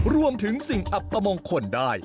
รวมถึงสิ่งอัปมงคลได้